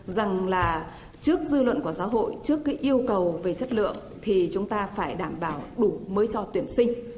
rằng là trước dư luận của giáo hội trước cái yêu cầu về chất lượng thì chúng ta phải đảm bảo đủ mới cho tuyển sinh